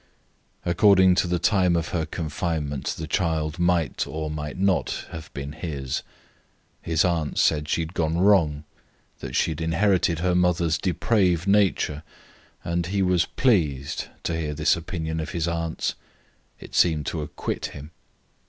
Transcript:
According to the time of her confinement, the child might or might not have been his. His aunts said she had gone wrong, that she had inherited her mother's depraved nature, and he was pleased to hear this opinion of his aunts'. It seemed to acquit him.